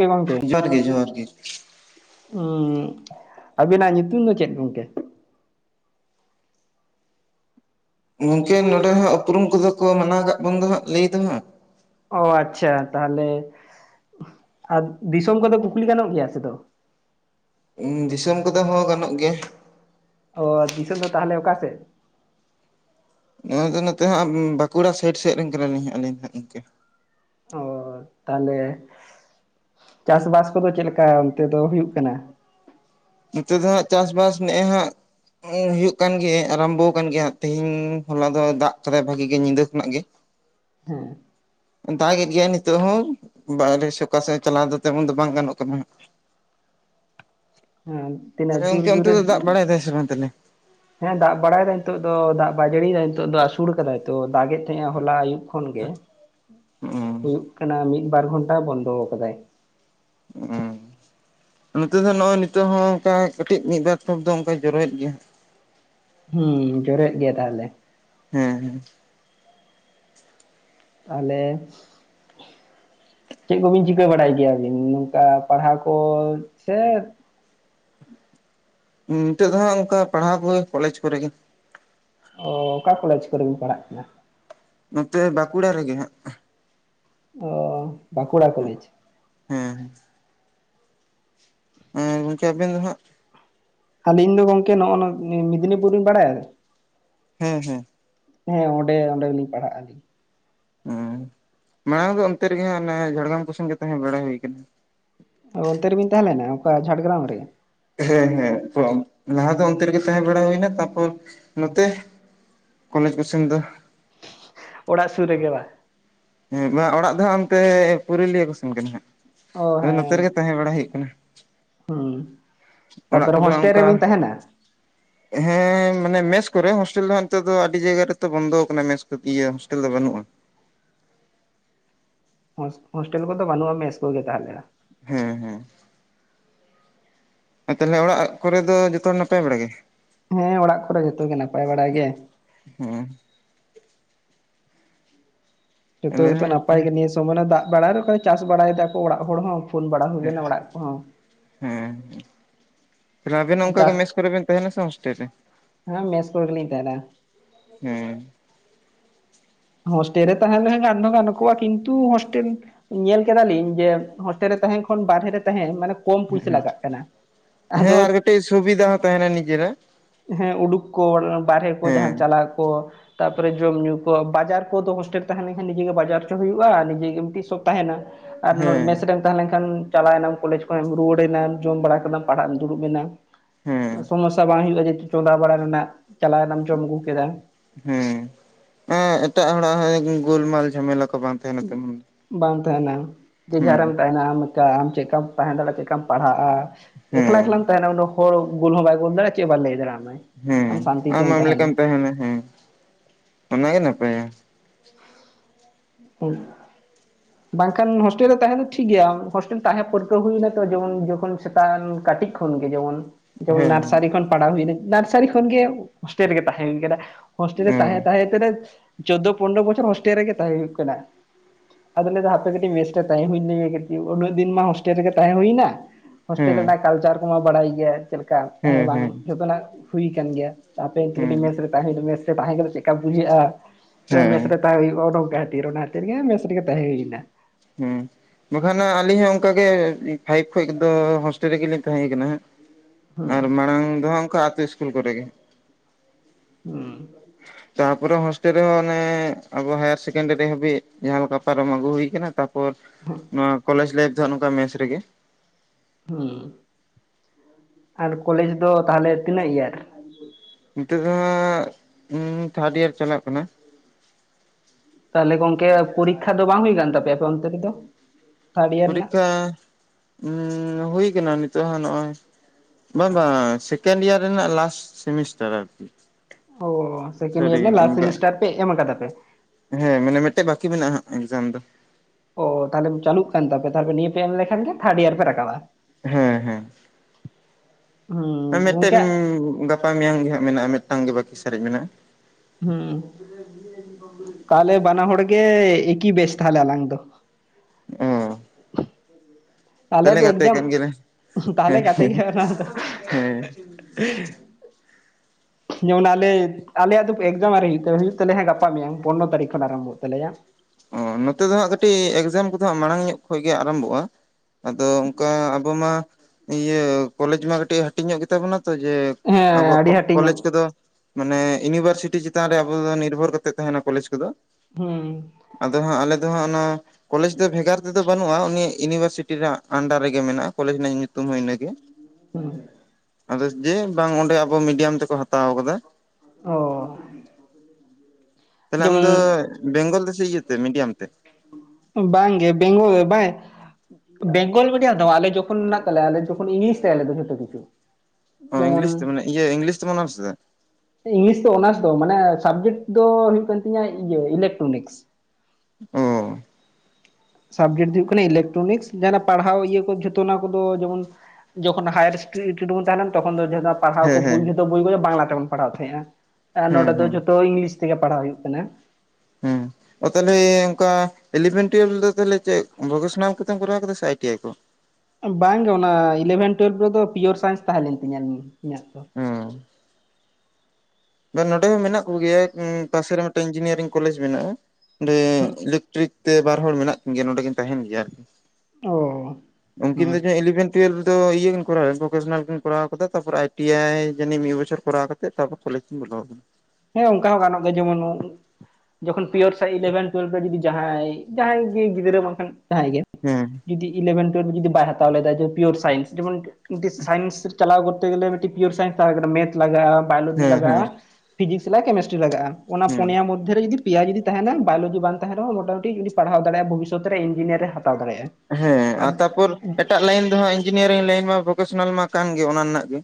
ᱜᱮ ᱜᱚᱝᱠᱮ ᱡᱚᱦᱟᱨ ᱜᱮ ᱡᱚᱦᱟᱨ ᱜᱮ ᱩᱢᱸ ᱟᱵᱤᱱᱟᱜ ᱧᱩᱛᱩᱢ ᱫᱚ ᱪᱮᱫ ᱜᱚᱝᱠᱮ? ᱜᱚᱝᱠᱮ ᱱᱚᱸᱰᱮ ᱦᱚᱸ ᱩᱯᱨᱩᱢ ᱠᱚᱫᱚ ᱠᱚ ᱢᱟᱱᱟᱣ ᱠᱟᱜ ᱵᱚᱱ ᱫᱚ ᱦᱟᱸᱜ ᱞᱟᱹᱭ ᱫᱚ ᱦᱟᱸᱜ ᱚ ᱟᱪᱪᱷᱟ ᱛᱟᱦᱚᱞᱮ ᱟᱨ ᱫᱤᱥᱚᱢ ᱠᱚᱫᱚ ᱠᱩᱠᱞᱤ ᱜᱟᱱᱚᱜ ᱜᱮᱭᱟ ᱥᱮᱫᱚ ᱩᱦ ᱫᱤᱥᱚᱢ ᱠᱚᱫᱚ ᱦᱚᱸ ᱜᱟᱱᱚᱜ ᱜᱮᱭᱟ ᱚ ᱫᱤᱥᱚᱢ ᱫᱚ ᱛᱟᱦᱚᱞᱮ ᱚᱠᱟ ᱥᱮᱫ? ᱱᱚᱣᱟᱜ ᱫᱚ ᱱᱚᱛᱮ ᱦᱟᱸᱜ ᱵᱟᱸᱠᱩᱲᱟ ᱥᱟᱭᱤᱰ ᱥᱮᱫ ᱨᱮᱱ ᱠᱟᱱᱟᱞᱤᱧ ᱦᱟᱸᱜ ᱟᱹᱞᱤᱧ ᱦᱟᱸᱜ ᱜᱚᱢᱠᱮ ᱚ ᱛᱟᱦᱚᱞᱮ ᱪᱟᱥᱵᱟᱥ ᱠᱚᱫᱚ ᱪᱮᱫ ᱞᱮᱠᱟ ᱚᱱᱛᱮ ᱫᱚ ᱦᱩᱭᱩᱜ ᱠᱟᱱᱟ ᱱᱚᱛᱮ ᱫᱚ ᱦᱟᱸᱜ ᱪᱟᱥᱵᱟᱥ ᱱᱮᱜᱼᱮ ᱦᱟᱸᱜ ᱦᱩᱭᱩᱜ ᱠᱟᱱ ᱜᱮ ᱟᱨᱟᱢᱵᱚ ᱠᱟᱱ ᱜᱮᱭᱟ ᱛᱮᱦᱮᱧ ᱦᱚᱞᱟ ᱫᱚ ᱫᱟᱜ ᱠᱟᱫᱟᱭ ᱵᱷᱟᱜᱤ ᱜᱮ ᱧᱤᱫᱟᱹ ᱠᱷᱚᱱᱟᱜ ᱜᱮ ᱦᱮᱸ ᱫᱟᱜ ᱮᱫ ᱜᱮᱭᱟ ᱱᱤᱛᱚᱜ ᱦᱚᱸ ᱵᱟᱦᱨᱮ ᱥᱮ ᱚᱠᱟ ᱥᱮᱫ ᱪᱟᱞᱟᱣ ᱫᱚ ᱛᱮᱢᱚᱱ ᱫᱚ ᱵᱟᱝ ᱜᱟᱱᱚᱜ ᱠᱟᱱᱟ ᱦᱟᱜ ᱦᱮᱸ ᱛᱤᱱᱟ ᱛᱟᱦᱞᱮ ᱡᱳᱨ ᱜᱚᱝᱠᱮ ᱚᱱᱛᱮ ᱡᱳᱨᱮ ᱫᱚ ᱫᱟᱜ ᱵᱟᱲᱟᱭ ᱫᱟᱭ ᱥᱮ ᱵᱟᱝ ᱛᱟᱦᱞᱮ ᱦᱮᱸ ᱫᱟᱜ ᱵᱟᱲᱟᱭᱮᱫᱟᱭ ᱱᱤᱛᱚᱜ ᱫᱚ ᱫᱟᱜ ᱵᱟᱭ ᱡᱟᱹᱲᱤᱭᱟᱭ ᱱᱤᱛᱚᱜ ᱫᱚ ᱟᱹᱥᱩᱲ ᱠᱟᱫᱟᱭ ᱛᱚ ᱫᱟᱜ ᱮ ᱛᱟᱦᱮᱸᱜᱼᱴ-ᱟ ᱦᱚᱞᱟ ᱟᱹᱭᱩᱵ ᱛᱚᱠᱷᱚᱱ ᱜᱮ ᱦᱩᱭᱩᱜ ᱠᱟᱱᱟ ᱢᱤᱫ ᱵᱟᱨ ᱜᱷᱚᱱᱴᱟ ᱵᱚᱱᱫᱚ ᱟᱠᱟᱫᱟᱭ ᱱᱚᱛᱮ ᱫᱚ ᱱᱚᱜ-ᱚᱭ ᱱᱤᱛᱚᱜ ᱦᱚᱸ ᱚᱱᱠᱟ ᱠᱟᱹᱴᱤᱡ ᱢᱤᱫ ᱵᱟᱨ ᱴᱚᱯ ᱫᱚ ᱚᱱᱠᱟᱭ ᱡᱚᱨᱚᱭᱮᱫ ᱜᱮᱭᱟ ᱦᱩᱸ ᱡᱩᱨᱮᱫ ᱜᱮᱭᱟ ᱛᱟᱦᱞᱮ ᱦᱮᱸ ᱦᱮᱸ ᱛᱟᱦᱚᱞᱮᱼ ᱪᱮᱫ ᱠᱚᱵᱤᱱ ᱪᱤᱠᱟᱹ ᱵᱟᱲᱟᱭ ᱜᱮᱭᱟᱵᱤᱱ ᱱᱚᱝᱠᱟ ᱯᱟᱲᱦᱟᱣ ᱠᱚ ᱥᱮᱼ ᱱᱤᱛᱚᱜ ᱫᱚ ᱦᱟᱜ ᱚᱱᱠᱟ ᱯᱟᱲᱦᱟᱣ ᱠᱚᱜ ᱠᱚᱞᱮᱡᱽ ᱠᱚᱨᱮᱜᱮ ᱚ ᱚᱠᱟ ᱠᱚᱞᱮᱡᱽ ᱠᱚᱨᱮ ᱵᱤᱱ ᱯᱟᱲᱦᱟᱜ ᱠᱟᱱᱟ ᱱᱚᱛᱮ ᱵᱟᱸᱠᱩᱲᱟ ᱨᱮᱜᱮ ᱦᱟᱸᱜ ᱚ ᱵᱟᱸᱠᱩᱲᱟ ᱠᱚᱞᱮᱡᱽ ᱦᱮᱸ ᱮᱸᱜ ᱜᱚᱝᱠᱮ ᱟᱵᱤᱱ ᱫᱚ ᱦᱟᱸᱜ ᱟᱞᱤᱧ ᱫᱚ ᱜᱚᱝᱠᱮ ᱱᱚᱜᱼᱚᱭ ᱱᱚᱣᱟ ᱢᱮᱫᱽᱱᱤᱯᱩᱨ ᱵᱤᱱ ᱵᱟᱲᱟᱭᱟ ᱦᱮᱸ ᱦᱮᱸ ᱦᱮᱸ ᱚᱸᱰᱮ ᱚᱸᱰᱮᱞᱤᱧ ᱯᱟᱲᱦᱟᱜᱼᱟ ᱟᱞᱤᱧ ᱦᱮᱸ ᱢᱟᱲᱟᱝ ᱫᱚ ᱚᱱᱛᱮ ᱨᱮᱜᱮ ᱦᱟᱸᱜ ᱚᱱᱟ ᱡᱷᱟᱲᱜᱨᱟᱢ ᱠᱚ ᱥᱚᱸᱜᱮ ᱛᱟᱦᱮᱸ ᱵᱟᱲᱟᱭ ᱦᱩᱭ ᱠᱟᱱᱟ ᱚᱱᱛᱮ ᱨᱮᱵᱤᱱ ᱛᱟᱦᱮᱸ ᱞᱮᱱᱟ ᱚᱠᱟ ᱡᱷᱟᱲᱜᱨᱟᱢ ᱨᱮ ᱦᱮᱸ ᱦᱮᱸ ᱞᱟᱦᱟ ᱫᱚ ᱚᱱᱛᱮ ᱨᱮᱜᱮ ᱛᱟᱦᱮᱸ ᱵᱟᱲᱟ ᱦᱩᱭᱱᱟ ᱛᱟᱯᱚᱨ ᱱᱚᱛᱮ ᱠᱚᱞᱮᱡᱽ ᱠᱚᱥᱮᱱ ᱫᱚ ᱚᱲᱟᱜ ᱥᱩᱨ ᱨᱮᱜᱮ ᱵᱟ ᱦᱮᱸ ᱵᱟ ᱚᱲᱟᱜ ᱫᱚ ᱦᱟᱸ ᱚᱱᱛᱮ ᱯᱩᱨᱩᱞᱤᱭᱟᱹ ᱠᱚ ᱥᱮᱱ ᱠᱟᱱᱟ ᱦᱟᱸᱜ ᱚ ᱟᱫᱚ ᱱᱚᱛᱮ ᱦᱮᱸ ᱨᱮᱜᱮ ᱛᱟᱦᱮᱸ ᱵᱟᱲᱟ ᱦᱩᱭᱩᱜ ᱠᱟᱱᱟ ᱦᱩᱸ ᱚᱲᱟᱜ ᱛᱟᱨᱯᱚᱨᱮ ᱠᱚᱫᱚ ᱦᱳᱥᱴᱮᱞ ᱚᱱᱠᱟ ᱨᱮᱵᱤᱱ ᱛᱟᱦᱮᱱᱟ ᱦᱮᱸ ᱢᱟᱱᱮ ᱢᱮᱥ ᱠᱚᱨᱮ ᱦᱳᱥᱴᱮᱞ ᱫᱚ ᱦᱟᱜ ᱱᱤᱛᱚᱜ ᱫᱚ ᱟᱹᱰᱤ ᱡᱟᱭᱜᱟ ᱨᱮᱛᱚ ᱵᱚᱱᱫᱚ ᱠᱟᱱᱟ ᱢᱮᱥᱤᱭᱟᱹ ᱦᱳᱥᱴᱮᱞ ᱫᱚ ᱵᱟᱹᱱᱩᱜᱼᱟ ᱦᱳᱥᱴᱮᱞ ᱠᱚᱫᱚ ᱵᱟᱹᱱᱩᱜ ᱟ ᱢᱮᱥ ᱠᱚ ᱜᱮ ᱛᱟᱦᱚᱞᱮ ᱦᱟ ᱦᱮᱸ ᱦᱮᱸ ᱛᱟᱦᱚᱞᱮ ᱚᱲᱟᱜ ᱠᱚᱨᱮ ᱫᱚ ᱡᱚᱛᱚ ᱱᱟᱯᱟᱭ ᱵᱟᱲᱟ ᱜᱮ ᱦᱮᱸ ᱚᱲᱟᱜ ᱠᱚᱨᱮ ᱡᱚᱛᱚ ᱜᱮ ᱱᱟᱯᱟᱭ ᱵᱟᱲᱟ ᱜᱮ ᱦᱩᱸ ᱡᱚᱛᱚ ᱟᱞᱮ ᱜᱮᱛᱚ ᱦᱚᱸ ᱡᱚᱛᱚ ᱱᱟᱯᱟᱭ ᱜᱮ ᱱᱤᱭᱟᱹ ᱥᱚᱢᱚᱱᱮ ᱫᱟᱜ ᱵᱟᱲᱟᱭ ᱪᱟᱥ ᱵᱟᱲᱟᱭ ᱫᱟᱠᱚ ᱚᱲᱟᱜ ᱦᱚᱲ ᱦᱚᱸ ᱯᱷᱩᱱ ᱵᱟᱲᱟ ᱦᱩᱭ ᱞᱮᱱᱟ ᱚᱲᱟᱜ ᱠᱚ ᱦᱚᱸ ᱦᱮᱸ ᱟᱨ ᱟᱵᱮᱱ ᱦᱚᱸ ᱚᱱᱠᱟ ᱜᱮ ᱪᱟᱥ ᱢᱮᱥ ᱠᱚᱨᱮ ᱵᱮᱱ ᱛᱟᱦᱮᱱᱟ ᱥᱮ ᱦᱚᱥᱴᱮᱞ ᱨᱮ ᱦᱮᱸ ᱢᱮᱥ ᱠᱚᱨᱮ ᱜᱮᱞᱤᱧ ᱛᱟᱦᱮᱱᱟ ᱦᱩᱸ ᱦᱚᱥᱴᱮᱞ ᱨᱮ ᱛᱟᱦᱮ ᱱᱟᱦᱮᱸ ᱜᱟᱱ ᱫᱚ ᱜᱟᱱ ᱠᱚᱜ-ᱟ ᱠᱤᱱᱛᱩ ᱦᱚᱥᱴᱮᱞ ᱧᱮᱞ ᱠᱮᱫᱟ ᱞᱤᱧ ᱡᱮ ᱦᱚᱥᱴᱮᱞ ᱨᱮ ᱛᱟᱦᱮᱸᱱ ᱠᱷᱚᱱ ᱵᱟᱨᱦᱮ ᱨᱮ ᱛᱟᱦᱮᱸᱱ ᱢᱟᱱᱮ ᱠᱚᱢ ᱯᱩᱭᱥᱟᱹ ᱞᱟᱜᱟᱜ ᱠᱟᱱᱟ ᱦᱮᱸ ᱟᱫᱚ ᱟᱨ ᱠᱟᱹᱴᱤᱡ ᱥᱩᱵᱤᱫᱟ ᱦᱚᱸ ᱛᱟᱦᱮᱱᱟ ᱱᱤᱡᱮᱨᱟᱜ ᱦᱮᱸ ᱩᱰᱩᱠ ᱠᱚ ᱚᱱ ᱵᱟᱨᱦᱮ ᱠᱚ ᱡᱟᱦᱟᱸ ᱦᱮᱸ ᱪᱟᱞᱟᱜ ᱠᱚ ᱛᱟᱨᱯᱚᱨᱮ ᱡᱚᱢ ᱧᱩ ᱠᱚ ᱵᱟᱡᱟᱨ ᱠᱚᱫᱚ ᱦᱳᱥᱴᱮᱞ ᱛᱟᱦᱮᱸ ᱞᱮᱱ ᱠᱷᱟᱱ ᱱᱤᱡᱮ ᱜᱮ ᱵᱟᱡᱟᱨ ᱪᱚ ᱦᱩᱭᱩᱜ-ᱟ ᱟᱨ ᱱᱤᱡᱮ ᱜᱮ ᱢᱤᱫᱴᱤᱡ ᱥᱚᱵ ᱛᱟᱦᱮᱱᱟ ᱟᱨ ᱱᱚᱨ ᱦᱮᱸ ᱢᱮᱥ ᱨᱮ ᱛᱟᱦᱮᱸ ᱞᱮᱱ ᱠᱷᱟᱱ ᱪᱟᱞᱟ ᱣᱮᱱᱟᱢ ᱠᱚᱞᱮᱪ ᱠᱷᱚᱱ ᱮᱢ ᱨᱩᱣᱟᱹᱲ ᱮᱱᱟᱢ ᱡᱚᱢ ᱵᱟᱲᱟ ᱠᱮᱫᱟᱢ ᱯᱟᱲᱦᱟᱜ ᱮᱢ ᱫᱩᱲᱩᱵ ᱮᱱᱟ ᱦᱮᱸ ᱥᱚᱢᱚᱥᱥᱟ ᱵᱟᱝ ᱦᱩᱭᱩᱜ-ᱟ ᱡᱮ ᱦᱮᱛᱩ ᱪᱚ ᱪᱚᱸᱫᱟ ᱵᱟᱲᱟ ᱨᱮᱱᱟᱜ ᱪᱟᱞᱟᱣ ᱮᱱᱟᱢ ᱡᱚᱢ ᱟᱹᱜᱩ ᱠᱮᱫᱟ᱾ ᱦᱩᱸ, ᱦᱮᱸ ᱮᱴᱟᱜ ᱦᱚᱲᱟᱜ ᱦᱚᱸ ᱜᱟᱹ ᱜᱳᱞᱢᱟᱞ ᱡᱷᱟᱢᱮᱞᱟ ᱠᱚ ᱵᱟᱝ ᱛᱟᱦᱮᱱᱟ ᱛᱚ ᱢᱩᱱ ᱵᱟᱝ ᱛᱟᱦᱮᱱᱟ ᱫᱤᱜᱷᱟ ᱨᱮᱢ ᱛᱟᱦᱮᱱᱟ ᱟᱢ ᱮᱠᱟᱞ, ᱟᱢ ᱪᱮᱜ ᱠᱟᱢ ᱛᱟᱦᱮᱸ ᱫᱟᱲᱮᱭᱟᱜ-ᱟ ᱪᱮᱜ ᱠᱟᱢ ᱯᱟᱲᱦᱟᱜ-ᱟ᱾ ᱮᱠᱞᱟ ᱦᱮᱸ ᱮᱠᱞᱟᱢ ᱛᱟᱦᱮᱱᱟ ᱩᱱᱟᱹ ᱦᱚᱲ ᱜᱳᱞ ᱦᱚᱸ ᱵᱟᱭ ᱜᱳᱞ ᱫᱟᱲᱮᱭᱟᱜ ᱪᱮᱫ ᱦᱚᱸ ᱵᱟᱭ ᱞᱟᱹᱭ ᱫᱟᱲᱮᱭᱟᱢᱟᱭ ᱦᱩᱸ ᱟᱢ ᱟᱢ ᱞᱮᱠᱟᱢ ᱛᱟᱦᱮᱱᱟ ᱦᱮᱸ, ᱚᱱᱟ ᱜᱮ ᱱᱟᱯᱟᱭᱟ᱾ ᱩᱸᱜ᱾ ᱵᱟᱝᱠᱷᱟᱱ ᱦᱳᱥᱴᱮᱞ ᱨᱮ ᱛᱟᱦᱮᱸ ᱫᱚ ᱴᱷᱤᱠ ᱜᱮᱭᱟ ᱦᱳᱥᱴᱮᱞ ᱛᱟᱦᱮᱸ ᱯᱟᱹᱨᱠᱟᱹᱣ ᱦᱩᱭᱱᱟ ᱛᱚ ᱡᱮᱢᱚᱱ ᱡᱚᱠᱷᱚᱱ ᱥᱮᱛᱼᱼ ᱛᱟᱱ ᱠᱟᱴᱤᱡ ᱠᱷᱚᱱ ᱜᱮ ᱡᱮᱢᱚᱱ ᱡᱮᱢᱚᱞ ᱦᱮᱸ ᱱᱟᱨᱥᱟᱨᱤ ᱠᱷᱚᱱ ᱯᱟᱲᱦᱟᱣ ᱦᱩᱭ ᱱᱟ ᱱᱟᱨᱥᱟᱨᱤ ᱠᱷᱚᱱ ᱜᱮ ᱦᱚᱥᱴᱮᱞ ᱨᱮᱜᱮ ᱛᱟᱦᱮᱸ ᱦᱩᱭ ᱠᱟᱱᱟ ᱦᱳᱥᱴᱮᱞ ᱨᱮ ᱦᱮᱸ ᱛᱟᱦᱮᱸ ᱛᱟᱦᱮᱸ ᱛᱟᱨᱟᱫ ᱪᱳᱫᱽᱫᱳ ᱯᱚᱱᱨᱚ ᱵᱚᱪᱷᱚᱨ ᱦᱳᱥᱴᱮᱞ ᱨᱮ ᱜᱮ ᱛᱟᱦᱮᱸ ᱦᱩᱭᱩᱜ ᱠᱟᱱᱟ ᱟᱫᱚ ᱞᱟᱹᱭ ᱫᱟ ᱦᱟᱯᱮ ᱠᱟᱹᱴᱤᱡ ᱢᱮᱥᱨᱮ ᱴᱟ ᱛᱟᱦᱮᱸ ᱦᱩᱭ ᱞᱮᱜᱮ ᱠᱟᱛᱤᱭᱩᱜ ᱩᱱᱟᱹᱜ ᱫᱤᱱ ᱢᱟ ᱦᱳᱥᱴᱮᱞ ᱨᱮᱜᱮ ᱛᱟᱦᱮᱸ ᱦᱩᱭ ᱱᱟ ᱦᱳᱥᱴᱮᱞ ᱦᱮᱸ ᱨᱮᱱᱟᱜ ᱠᱟᱞᱪᱟᱨ ᱠᱚᱢᱟ ᱵᱟᱲᱟᱭ ᱜᱮᱭᱟ ᱪᱮᱫ ᱞᱮᱠᱟ ᱦᱮᱸ ᱛᱟᱦᱮᱸ ᱵᱟᱝ ᱦᱮᱸ ᱡᱚᱛᱚ ᱱᱟᱜ ᱦᱩᱭ ᱟᱠᱟᱱ ᱜᱮᱭᱟ ᱟᱯᱮ ᱟᱹᱛᱩ ᱦᱮᱸ ᱠᱟᱹᱴᱤᱡ ᱢᱮᱥ ᱨᱮ ᱛᱟᱦᱮᱸ ᱠᱟᱛᱮᱜ ᱢᱮᱥ ᱨᱮ ᱛᱟᱦᱮᱸ ᱠᱟᱛᱮᱜ ᱪᱮᱫ ᱠᱟ ᱵᱩᱡᱷᱟᱹᱜ-ᱟ ᱦᱮᱸ ᱛᱤᱨ ᱚᱱᱟ ᱠᱟᱹᱛᱤᱨ ᱜᱮ ᱢᱮᱥ ᱨᱮᱜᱮ ᱛᱟᱦᱮᱸ ᱦᱩᱭ ᱱᱟ ᱦᱩᱸ ᱵᱟᱠᱷᱟᱱ ᱟᱞᱤᱧ ᱦᱚᱸ ᱚᱱᱠᱟ ᱜᱮ ᱯᱷᱟᱭᱤᱵᱽ ᱠᱷᱚᱡ ᱫᱚ ᱦᱳᱥᱴᱮᱞ ᱨᱮᱜᱮ ᱞᱤᱧ ᱛᱟᱦᱮᱸ ᱠᱟᱱᱟ ᱦᱟᱸ ᱦᱩᱸ ᱟᱨ ᱢᱟᱬᱟᱝ ᱫᱚ ᱦᱟᱸᱜ ᱚᱱᱠᱟ ᱟᱛᱩ ᱤᱥᱠᱩᱞ ᱠᱚ ᱨᱮ ᱜᱮ᱾ ᱦᱩᱸ᱾ ᱛᱟᱨᱯᱚᱨᱮ ᱦᱳᱥᱴᱮᱞ ᱨᱮᱦᱚᱸ ᱚᱱᱮ ᱟᱵᱚ ᱦᱟᱭᱟᱨ ᱥᱮᱠᱮᱱᱰᱟᱹᱨᱤ ᱦᱟᱹᱵᱤᱡ ᱡᱟᱦᱟᱸ ᱞᱮᱠᱟ ᱯᱟᱨᱚᱢ ᱟᱹᱜᱩ ᱦᱩᱭ ᱠᱟᱱᱟ ᱯᱚᱨ ᱦᱩᱸ ᱱᱚᱣᱟ ᱠᱚᱞᱮᱡᱽ ᱞᱟᱭᱤᱯᱷ ᱫᱚ ᱡᱟᱸᱜ ᱱᱚᱝᱠᱟ ‌ᱢᱮᱥ ‌ᱨᱮᱜᱮ ᱦᱩᱸ, ᱟᱨ ᱠᱚᱞᱮᱡᱽ ᱫᱚ ᱛᱟᱦᱞᱮ ᱛᱤᱱᱟᱹᱜ ᱤᱭᱟᱨ? ᱱᱤᱛᱚᱜ ᱫᱚ ᱩᱸ ᱛᱷᱟᱨᱰ ᱤᱭᱟᱨ ᱪᱟᱞᱟᱜ ᱠᱟᱱᱟ᱾ ᱛᱟᱦᱞᱮ ᱜᱚᱝᱠᱮ ᱯᱚᱨᱤᱠᱠᱷᱟ ᱫᱚ ᱵᱟᱝ ᱦᱩᱭ ᱠᱟᱱ ᱛᱟᱯᱮᱭᱟ ᱟᱯᱮ ᱚᱱᱛᱮ ᱨᱮᱫᱚ? ᱛᱷᱟᱨᱰ ᱤᱭᱟᱨ ᱨᱮᱱᱟᱜ ᱯᱩᱨᱤᱠᱠᱷᱟ ᱩᱸ ᱦᱩᱭ ᱠᱟᱱᱟ ᱱᱤᱛᱚᱜ ᱦᱟᱸᱜ ᱱᱚᱜ-ᱚᱭ᱾ ᱵᱟᱝ ᱵᱟᱝ ᱥᱮᱠᱮᱱᱰᱤᱭᱟᱨ ᱨᱮᱱᱟᱜ ᱞᱟᱥᱴ ᱥᱮᱢᱤᱥᱴᱟᱨ ᱟᱨ ᱠᱤ᱾ ᱚ ᱥᱮᱠᱮᱱᱰ ᱤᱭᱟᱨ ᱞᱟᱥᱴ ᱥᱮᱢᱤᱥᱴᱟᱨ ᱯᱮ ᱮᱢ ᱠᱟᱫᱟ ᱯᱮ? ᱦᱮᱸ ᱢᱟᱱᱮ ᱢᱤᱫ ᱴᱮᱡ ᱵᱟᱠᱤ ᱢᱮᱱᱟᱜᱼᱟ ᱮᱠᱡᱟᱢ ᱫᱚ ᱚ ᱛᱟᱦᱚᱞᱮ ᱪᱟᱹᱞᱩᱜ ᱠᱟᱱ ᱛᱟᱯᱮ ᱛᱟᱯᱮ ᱱᱤᱭᱟᱹ ᱯᱮ ᱮᱢ ᱞᱮᱠᱷᱟᱱ ᱜᱮ ᱛᱷᱟᱨᱰ ᱤᱭᱟᱨ ᱯᱮ ᱨᱟᱠᱟᱵᱟ ᱦᱮᱸ ᱦᱮᱸ ᱦᱩᱸ ᱜᱚᱝᱠᱮ ᱢᱤᱫᱴᱮᱡᱜᱟᱯᱟ ᱢᱮᱭᱟᱝ ᱜᱮ ᱦᱟᱜ ᱢᱮᱱᱟᱜᱼᱟ ᱢᱤᱫᱴᱟᱝ ᱜᱮ ᱵᱟᱹᱠᱤ ᱥᱟᱨᱮᱡ ᱢᱮᱱᱟᱜᱼᱟ ᱦᱩᱸ, ᱛᱟᱦᱞᱮ ᱵᱟᱱᱟ ᱦᱚᱲ ᱜᱮ ᱮᱠᱤ ᱵᱮᱪ ᱛᱟᱦᱞᱮ ᱟᱞᱟᱝ ᱫᱚ᱾ ᱚ ᱟᱞᱮ ᱛᱟᱦᱚᱞᱮ ‌ᱫᱚ ᱜᱟᱛᱮ ᱮᱜᱽᱡᱟᱢ ᱠᱟᱱ ᱜᱮᱞᱮ ᱩᱸ ᱛᱟᱦᱞᱮ ᱦᱮᱸ ᱜᱟᱛᱮ ᱜᱮ ᱟᱞᱟᱝ ᱫᱚ ᱦᱮᱸ [inaudible] ᱡᱮᱢᱚᱱ ᱟᱞᱮ ᱟᱞᱮᱭᱟᱜ ᱫᱚ ᱯᱚ ᱮᱠᱡᱟᱢ ᱟᱨ ᱦᱩᱭᱩᱜ ᱛᱟ ᱦᱩᱭᱩᱜ ᱛᱟᱞᱮᱭᱟ ᱜᱟᱯᱟ ᱢᱮᱭᱟᱝ ᱯᱚᱱᱚᱨᱚ ᱛᱟᱹᱨᱤᱠᱷ ᱠᱷᱚᱱ ᱟᱨᱚᱢᱵᱚᱜ ᱛᱟᱞᱮᱭᱟ᱾ ᱚ ᱱᱚᱛᱮ ᱫᱚ ᱦᱟᱸᱜ ᱠᱟᱹᱴᱤᱡ ᱮᱠᱡᱟᱢ ᱠᱩᱫᱚ ᱦᱜ ᱢᱟᱬᱟᱝ ᱧᱚᱜ ᱠᱷᱚᱡ ᱜᱮ ᱟᱨᱢᱵᱚᱜ-ᱟ᱾ ᱟᱫᱚ ᱚᱱᱠᱟ ᱟᱵᱚ ᱢᱟ ᱤᱭᱟᱹ ᱠᱚᱞᱮᱡᱽ ᱢᱟ ᱠᱟᱹᱴᱤᱡ ᱦᱟᱹᱴᱤᱧ ᱧᱚᱜ ᱜᱮᱛᱟ ᱵᱚᱱᱟ ᱛᱚ ᱡᱮ ᱦᱮᱸ ᱟᱵᱚᱣᱟᱜ ᱟᱹᱰᱤ ᱠᱚ ᱦᱟᱹᱴᱤᱧ ᱠᱚᱞᱮᱡᱽ ᱧᱚᱜ ᱠᱚᱫᱚ ᱢᱟᱱᱮ ᱤᱱᱤᱵᱚᱨᱥᱤᱴᱤ ᱪᱤᱛᱟᱱ ᱨᱮ ᱟᱵᱚ ᱫᱚ ᱱᱤᱨᱵᱷᱚᱨ ᱠᱟᱛᱮᱫ ᱛᱟᱦᱮᱱᱟ ᱠᱚᱞᱮᱡᱽ ᱠᱩᱫᱚ᱾ ᱦᱩᱸ᱾ ᱟᱫᱚ ᱦᱟᱸᱜ ᱟᱞᱮ ᱫᱚ ᱦᱟᱸᱜ ᱚᱱᱟ ᱠᱚᱞᱮᱡᱽ ᱫᱚ ᱵᱷᱮᱜᱟᱨ ᱛᱮᱫᱚ ᱵᱟᱹᱱᱩᱜᱼᱟ ᱩᱱᱤ ᱤᱭᱩᱱᱤᱵᱷᱟᱨᱥᱤᱴᱤ ᱨᱮᱭᱟᱜ ᱟᱱᱰᱟᱨ ᱨᱮᱜᱮ ᱢᱮᱱᱟᱜᱼᱟ ᱠᱚᱞᱮᱡᱽ ᱨᱮᱭᱟᱜ ᱧᱩᱛᱩᱢ ᱦᱚᱸ ᱤᱱᱟᱹᱜᱮ [unintelligible] ᱟᱫᱚ ᱡᱮ ᱵᱟᱝ ᱚᱸᱰᱮ ᱟᱵᱚ ᱢᱤᱰᱤᱭᱟᱢ ᱛᱮᱠᱚ ᱦᱟᱛᱟᱣ ᱟᱠᱟᱫᱟ ᱚᱻ ᱛᱟᱦᱞᱮ ᱟᱢ ᱫᱚ ᱵᱮᱝᱜᱚᱞ ᱫᱚ ᱥᱮ ᱤᱭᱟᱹ ᱛᱮ ᱢᱤᱰᱤᱭᱟᱢ ᱛᱮ? ᱵᱟᱝᱜᱮ ᱵᱮᱝᱜᱚᱞ ᱵᱟᱹᱧ ᱵᱮᱝᱜᱚᱞ ᱢᱤᱰᱤᱭᱟᱢ ᱫᱚ ᱟᱞᱮ ᱡᱚᱠᱷᱚᱱ ᱢᱮᱱᱟᱜ ᱠᱟᱜ ᱞᱮᱭᱟ ᱟᱞᱮ ᱡᱚᱠᱷᱚᱱ ᱤᱝᱞᱤᱥ ᱛᱮ ᱟᱞᱮ ᱫᱚ ᱡᱷᱚᱛᱚ ᱠᱤᱪᱷᱩ ᱚ ᱡᱮᱢᱚᱱ ᱤᱝᱞᱤᱥ ᱛᱮ ᱢᱟᱱᱮ ᱤᱭᱟᱹ ᱤᱝᱞᱤᱥ ᱛᱮᱢ ᱚᱱᱟᱨᱥ ᱫᱟ ᱤᱝᱞᱤᱥ ᱫᱚ ᱚᱱᱟᱨᱥ ᱫᱚ ᱢᱟᱱᱮ ᱥᱟᱵᱡᱮᱠᱴ ᱫᱚ ᱦᱩᱭᱩᱜ ᱠᱟᱱ ᱛᱤᱧᱟᱹ ᱤᱭᱟᱹ ᱤᱞᱮᱠᱴᱨᱚᱱᱤᱠᱥ ᱚᱸᱻ ᱥᱟᱵᱽᱡᱮᱠᱴ ᱫᱚ ᱦᱩᱭᱩᱜ ᱠᱟᱱᱟ ᱤᱞᱮᱠᱴᱨᱚᱱᱤᱠ ᱡᱟᱦᱟᱸᱱᱟᱜ ᱯᱟᱲᱦᱟᱣ ᱤᱭᱟᱹ ᱠᱚ ᱡᱷᱚᱛᱚ ᱚᱱᱟ ᱠᱚᱫᱚ ᱡᱮᱢᱚᱱ ᱡᱚᱠᱷᱚᱱ ᱦᱟᱭᱟᱨ [unintelligible] ᱵᱚᱱ ᱛᱟᱦᱮᱸᱱᱟ ᱛᱚᱠᱷᱚᱱ ᱫᱚ ᱯᱟᱲᱦᱟᱣ ᱦᱮᱸ ᱠᱚ ᱵᱳᱭ ᱦᱮᱸ ᱡᱷᱚᱛᱚ ᱵᱳᱭ ᱵᱳᱭ ᱵᱟᱝᱞᱟ ᱛᱮᱵᱚᱱ ᱯᱟᱲᱦᱟᱣ ᱛᱟᱦᱮᱸᱜ ᱼᱟ ᱦᱮᱸ ᱱᱚᱰᱮ ᱫᱚ ᱦᱮᱸ ᱡᱚᱛᱚ ᱤᱝᱞᱤᱥ ᱛᱮᱜᱮ ᱯᱟᱲᱦᱟᱣ ᱦᱩᱭᱩᱜ ᱠᱟᱱᱟ [inaudible] ᱟᱫᱚ ᱞᱟ. ᱭᱟᱹᱜ ᱤᱧ ᱚᱱᱠᱟ ᱤᱞᱤᱵᱷᱮᱱ ᱴᱩᱭᱮᱞᱵᱷ ᱠᱚᱫᱚ ᱛᱟᱦᱚᱞᱮ ᱪᱮᱫ ᱵᱷᱚᱠᱮᱥᱚᱱᱟᱞ ᱠᱚᱛᱮᱢ ᱠᱚᱨᱟᱣ ᱠᱟᱫᱟ ᱥᱮ ᱟᱭ ᱴᱤ ᱟᱭ ᱠᱚ ᱵᱟᱝ ᱜᱮ ᱚᱱᱟ ᱤᱞᱮᱵᱷᱮᱱ ᱴᱩᱭᱮᱞᱵᱷ ᱨᱮᱫᱚ ᱯᱤᱭᱳᱨ ᱥᱟᱭᱮᱱᱥ ᱛᱟᱦᱮᱸ ᱞᱮᱱ ᱛᱤᱧᱟᱹ ᱤᱧᱟᱹᱜ ᱫᱚ ᱦᱩᱸ ᱦᱳᱭ ᱱᱚᱸᱰᱮ ᱦᱚᱸ ᱢᱮᱱᱟᱜ ᱠᱚ ᱜᱮᱭᱟ ᱚᱸᱻ ᱯᱟᱥᱮ ᱨᱮ ᱢᱤᱫ ᱴᱮᱱ ᱤᱧᱡᱤᱱᱤᱭᱟᱨᱤᱝ ᱠᱚᱞᱮᱡᱽ ᱢᱮᱱᱟᱜᱼᱟ ᱚᱸᱰᱮ ᱤᱞᱮᱠᱴᱨᱤᱠ ᱛᱮ ᱵᱟᱨ ᱦᱚᱲ ᱢᱮᱱᱟᱜ ᱠᱤᱱ ᱜᱮᱭᱟ ᱱᱚᱰᱮ ᱠᱤᱱ ᱛᱟᱦᱮᱱ ᱜᱮᱭᱟ ᱚ [inaudible] ᱦᱮᱸ ᱩᱱᱠᱤᱱ ᱫᱚ ᱡᱮ ᱤᱞᱤᱵᱷᱮᱱ ᱴᱩᱭᱮᱞᱵᱷ ᱫᱚ ᱤᱭᱟᱹ ᱠᱤᱱ ᱠᱚᱨᱟᱣᱫᱟ ᱵᱷᱚᱠᱮᱥᱱᱟᱞ ᱠᱤᱱ ᱠᱚᱨᱟᱣ ᱠᱟᱫᱟ ᱛᱟᱯᱚᱨ ᱟᱭ ᱴᱤ ᱟᱭ ᱡᱟᱹᱱᱤᱡ ᱢᱤᱫ ᱵᱚᱪᱷᱚᱨ ᱠᱚᱨᱟᱣ ᱠᱟᱛᱮ ᱛᱟᱯᱚᱨ ᱠᱚᱞᱮᱠᱷᱤᱱ ᱵᱚᱞᱚ ᱦᱮᱸ ᱚᱱᱠᱟ ᱦᱚᱸ ᱜᱟᱱᱚᱜ ᱜᱮᱭᱟ ᱡᱮᱢᱚᱱ ᱡᱚᱠᱷᱚᱱ ᱯ [inaudible] ᱤᱞᱮᱵᱷᱮᱱ ᱴᱩᱭᱮᱞ ᱨᱮ ᱡᱩᱤ ᱡᱟᱦᱟᱸᱭ ᱡᱟᱦᱟᱸᱭ ᱜᱮ ᱜᱤᱫᱽᱨᱟᱹ ᱵᱟᱝ ᱠᱷᱟᱱ ᱡᱟᱦᱟᱸᱭ ᱜᱮ ᱦᱮᱸ ᱡᱩᱫᱤ ᱤᱞᱮᱵᱷᱮᱱ ᱴᱩᱭᱮᱞᱵᱷ ᱡᱩᱫᱤ ᱵᱟᱭ ᱦᱟᱛᱟᱣ ᱞᱮᱫᱟ ᱡᱮ ᱯᱤᱭᱳᱨ ᱥᱟᱭᱮᱱᱥ ᱡᱮᱢᱚᱱ ᱢᱤᱴᱤᱡ ᱥᱟᱭᱮᱱᱥ ᱪᱟᱞᱟᱣ ᱠᱚᱨᱛᱮ ᱜᱮᱞᱮ ᱢᱤᱫ ᱴᱤᱡ ᱯᱤᱭᱳᱨ ᱥᱟᱭᱮᱱᱥ ᱢᱮᱛᱷ ᱞᱟᱜᱼᱟ ᱵᱟᱭᱳᱞᱚᱡᱤ ᱦᱮᱸ ᱦᱮᱸ ᱞᱟᱜᱟᱜᱼᱟ ᱯᱷᱤᱡᱤᱠᱥ ᱠᱮᱢᱮᱥᱴᱨᱤ ᱞᱟᱜᱟᱜᱼᱟ ᱚᱱᱟ ᱦᱮᱸ ᱯᱩᱱᱭᱟ ᱢᱩᱫᱽ [inaudible] ᱢᱤᱫ ᱫᱷᱟᱣᱨᱮ ᱡᱩᱤ ᱯᱮᱭᱟ ᱡᱩᱫᱤ ᱛᱟᱦᱮᱱᱟ ᱵᱟᱭᱳᱞᱚᱡᱤ ᱵᱟᱝ ᱛᱟᱦᱮᱱ ᱨᱮᱦᱚᱸ ᱢᱚᱴᱟᱢᱩᱴᱤ ᱡᱩᱫᱤ ᱯᱟᱲᱦᱟᱣ ᱫᱟᱲᱮᱭᱟᱜᱼᱟ ᱵᱷᱚᱵᱤᱥᱚᱛ ᱨᱮ ᱤᱧᱡᱤᱱᱤᱭᱟᱨᱮ ᱦᱟᱛᱟᱣ ᱫᱟᱲᱮᱭᱟᱜᱼᱟ ᱦᱮᱸ ᱟᱨ ᱛᱟᱯᱚᱨ ᱮᱴᱟᱜ ᱞᱟᱭᱤᱱ ᱫᱚ ᱦᱟᱸᱜ ᱤᱧᱡᱤᱱᱤᱭᱟᱨᱤᱝ ᱞᱟᱭᱤᱱ ᱢᱟ ᱵᱷᱚᱠᱮᱥᱚᱱᱟᱞ ᱢᱟ ᱠᱟᱱ ᱜᱮ ᱚᱱᱟ ᱨᱮᱱᱟᱜ ᱜᱮ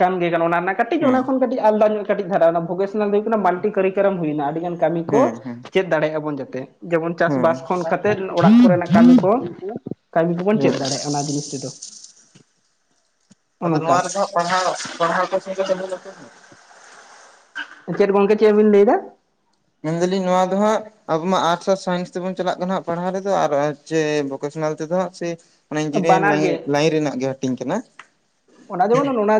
ᱠᱟᱱ ᱜᱮ ᱠᱟᱱᱟ ᱚᱱᱟ ᱨᱮᱱᱟᱜ ᱠᱟᱹᱴᱤᱡ ᱚᱱᱟ ᱦᱮᱸ ᱠᱷᱚᱱ ᱠᱟᱹᱴᱤᱡ ᱟᱞᱫᱟ ᱧᱚᱜ ᱠᱟᱹᱴᱤᱡ ᱫᱷᱟᱨᱟ ᱚᱱᱟ ᱵᱷᱚᱠᱮᱥᱱᱟᱞ ᱫᱚ ᱦᱩᱭᱩᱜ ᱠᱟᱱᱟ ᱢᱟᱞᱴᱤ ᱠᱟᱨᱤᱠᱚᱨᱟᱢ ᱦᱩᱭᱱᱟ ᱟᱹᱰᱤ ᱜᱟᱱ ᱠᱟᱹᱢᱤ ᱠᱚ ᱦᱮᱸ ᱦᱮᱸ ᱪᱮᱫ ᱫᱟᱲᱮᱭᱟᱜ ᱵᱚᱱ ᱡᱟᱛᱮ ᱡᱮᱢᱚᱱ ᱦᱮᱸ ᱪᱟᱥᱼᱵᱟᱥ ᱠᱷᱚᱱ ᱠᱟᱛᱮ ᱚᱲᱟᱜ ᱠᱚᱨᱮᱱᱟᱜ ᱠᱟᱹᱢᱤ ᱠᱚ [inaudible] ᱠᱟᱹᱢᱤ ᱠᱚᱵᱚᱱ ᱪᱮᱫ ᱦᱮᱸ ᱫᱟᱲᱮᱭᱟᱜᱼᱟ ᱚᱱᱟ ᱡᱤᱱᱤᱥ ᱛᱮᱫᱚ ᱱᱚᱜᱼᱚ ᱟᱫᱚ ᱱᱚᱝᱠᱟ ᱱᱚᱶᱟ ᱨᱮᱫᱚ ᱦᱟᱸᱜ ᱯᱟᱲᱦᱟᱣ ᱯᱟᱲᱦᱟᱣ ᱠᱚ ᱥᱚᱸ [inaudible] ᱪᱮᱫ ᱜᱚᱝᱠᱮ ᱪᱮᱫ ᱵᱤᱱ ᱞᱟᱹᱭᱮᱫᱟ? ᱢᱮᱱᱫᱟᱞᱤᱧ ᱱᱚᱶᱟ ᱫᱚ ᱦᱟᱸᱜ ᱟᱵᱚ ᱢᱟ ᱟᱨᱴᱥ ᱟᱨ ᱥᱟᱭᱮᱱᱥ ᱛᱮᱵᱚᱱ ᱪᱟᱞᱟᱜ ᱠᱟᱱᱟ ᱦᱟᱸᱜ ᱯᱟᱲᱦᱟᱣ ᱨᱮᱫᱚ ᱟᱨ ᱥᱮ ᱵᱷᱚᱠᱮᱥᱚᱱᱟᱞ ᱛᱮᱫᱚ ᱦᱟᱸᱜ ᱥᱮ ᱢᱟᱱᱮ ᱤᱧᱡᱤᱱᱤᱭᱟᱨᱤᱝ ᱵᱟᱱᱟᱨ ᱞᱟᱭᱤ ᱜᱮ ᱞᱟᱭᱤᱱ ᱨᱮᱱᱟᱜ ᱜᱮ ᱦᱟᱹᱴᱤᱧ ᱠᱟᱱᱟ ᱚᱱᱟ ᱡᱮᱢᱚᱱ ᱱᱚᱶᱟ